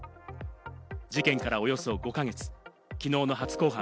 事件からおよそ５か月、きのうの初公判。